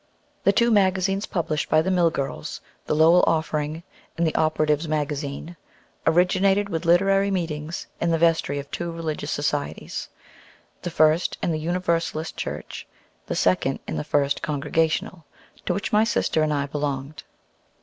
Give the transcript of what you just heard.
The two magazines published by the mill girls, the "Lowell Offering" and the "Operatives' Magazine," originated with literary meetings in the vestry of two religious societies, the first in the Universalist Church, the second in the First Congregational, to which my sister and I belonged.